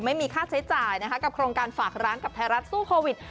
ไม่มีค่าใช้จ่ายนะคะกับโครงการฝากร้านกับไทยรัฐสู้โควิด